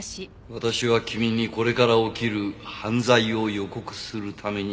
私は君にこれから起きる犯罪を予告するためにここに来た。